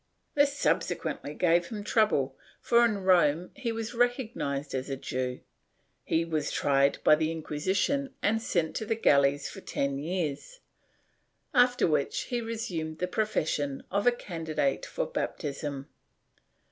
This subsequently gave him trouble, for in Rome he was recognized as a Jew, he was tried by the Inqui sition and sent to the galleys for ten years, after which he resumed the profession of a candidate for baptism.